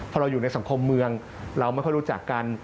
พอเราอยู่ในสังคมเมืองเราไม่ค่อยรู้จักกัน